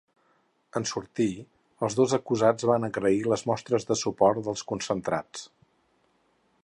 En sortir, els dos acusats van agrair les mostres de suport dels concentrats.